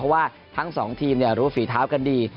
เพราะว่าทั้งสองทีมรู้ฝีเท้ากันดี